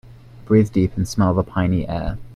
Breathe deep and smell the piny air.